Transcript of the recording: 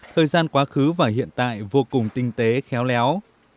thời gian quá khứ và hiện tại vô cùng tinh tế khéo léo